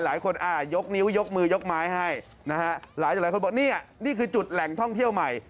หลายคนยกนิ้วยกมือยกไม้ให้นะฮะหลายคนบอกนี่นี่คือจุดแหล่งท่องเที่ยวใหม่